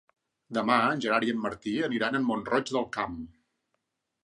Demà en Gerard i en Martí aniran a Mont-roig del Camp.